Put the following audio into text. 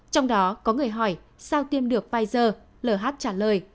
trong đó có người hỏi sao tiêm được pfizer lh trả lời